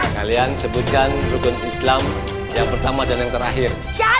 kalian sebutkan rukun islam yang pertama dan yang terakhir